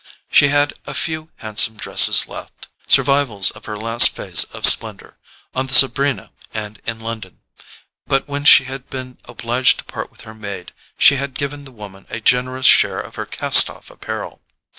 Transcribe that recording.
She had a few handsome dresses left—survivals of her last phase of splendour, on the Sabrina and in London—but when she had been obliged to part with her maid she had given the woman a generous share of her cast off apparel.